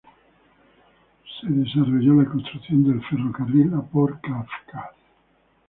Su desarrollo se construcción del ferrocarril a Port Kavkaz.